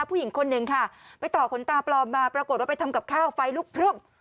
ผู้หญิงคนหนึ่งค่ะไปต่อขนตาปลอมมาปรากฏว่าไปทำกับข้าวไฟลุกพลึบ